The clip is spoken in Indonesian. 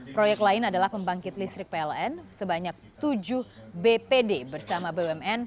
proyek lain adalah pembangkit listrik pln sebanyak tujuh bpd bersama bumn